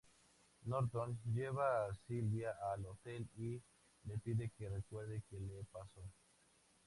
Norton lleva a Silvia al hotel y le pide que recuerde que le pasó.